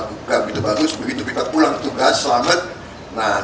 tapi yang tidak begitu bagus begitu kita pulang tugasnya itu tidak ada yang bisa dikirim ke jawa barat